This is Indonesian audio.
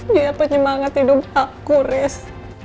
dia penyemangat hidup aku riz